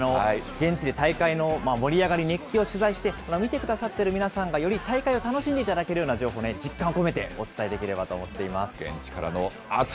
現地で大会の盛り上がり、熱気を取材して、見てくださっている皆さんがより大会を楽しんでいただけるような情報を、実感を込めてお伝えできればと思っています。